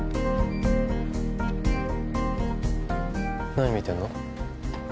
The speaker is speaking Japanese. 何見てるの？